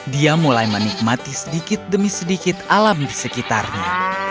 dia mulai menikmati sedikit demi sedikit alam di sekitarnya